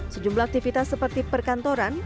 sejumlah aktivitas seperti perkantoran